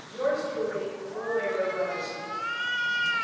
"Yours truly, "ORLANDO BROTHERSON."